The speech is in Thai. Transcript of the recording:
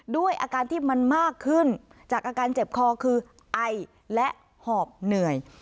ด้วยอาการที่มันมากขึ้นจากอาการเจ็บคอคือไอและหอบเหนื่อย